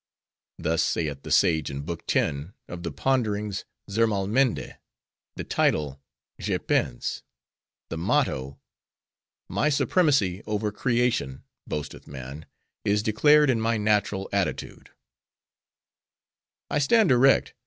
Thus saith the sage in Book X. of the Ponderings, 'Zermalmende,' the title: 'Je pense,' the motto:—'My supremacy over creation, boasteth man, is declared in my natural attitude:—I stand erect!